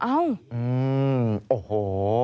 อืมโอ้โห